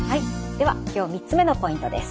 では今日３つ目のポイントです。